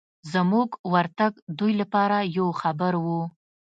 زموږ ورتګ دوی لپاره یو خبر و.